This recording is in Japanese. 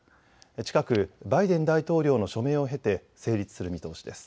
近くバイデン大統領の署名を経て成立する見通しです。